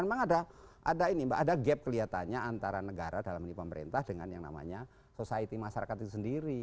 dan memang ada gap kelihatannya antara negara dalam ini pemerintah dengan yang namanya society masyarakat itu sendiri